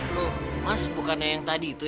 lho mas bukannya yang tadi itu ya